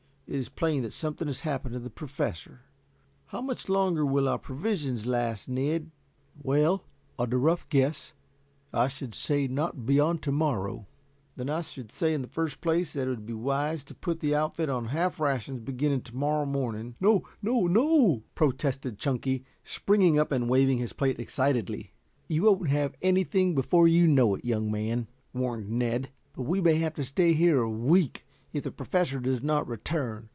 It is plain that something has happened to the Professor. How much longer will our provisions last, Ned?" "Well, on a rough guess, I should say not beyond to morrow." "Then I should say in the first place that it would be wise to put the outfit on half rations beginning to morrow morning " "No, no, no," protested Chunky, springing up and waving his plate excitedly. "You won't have anything before you know it, young man," warned Ned. "Yes, but we may have to stay here a week, if the Professor does not return.